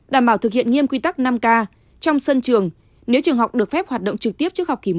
đảm bảo thực hiện nghiêm quy tắc năm k trong sân trường nếu trường học được phép hoạt động trực tiếp trước học kỳ một